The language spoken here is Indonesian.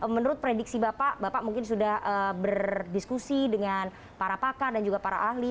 menurut prediksi bapak bapak mungkin sudah berdiskusi dengan para pakar dan juga para ahli